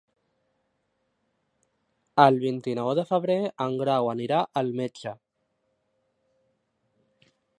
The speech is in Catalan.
El vint-i-nou de febrer en Grau anirà al metge.